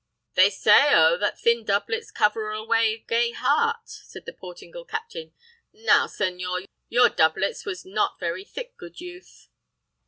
"They sayo that thin doublets cover alway gay heart," said the Portingal captain. "Now, senhor! your doublets was not very thick, good youth."